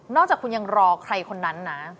จากคุณยังรอใครคนนั้นนะ